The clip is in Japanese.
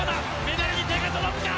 メダルに手が届くか？